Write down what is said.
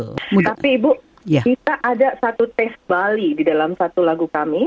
tapi ibu kita ada satu tes bali di dalam satu lagu kami